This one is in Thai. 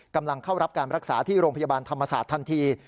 กำลังเข้ารับการรักษาที่โรงพยาบาลธรรมศาสตร์ทันที